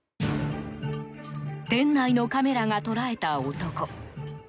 店内のカメラが捉えた男。